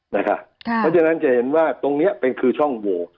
เพราะฉะนั้นจะเห็นว่าตรงนี้เป็นคือช่องโหว